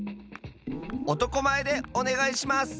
おとこまえでおねがいします！